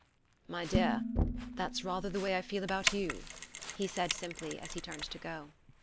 "My dear, that's rather the way I feel about you," he said simply as he turned to go.